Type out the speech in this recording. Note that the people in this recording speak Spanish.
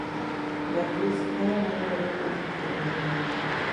La actriz ha ganado varios premios internacionales.